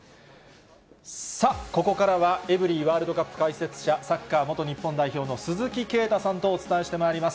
ここからは、エブリィワールドカップ解説者、サッカー元日本代表の鈴木啓太さんとお伝えしてまいります。